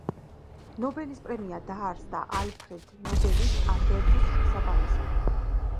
ნობელის პრემია დაარსდა ალფრედ ნობელის ანდერძის შესაბამისად.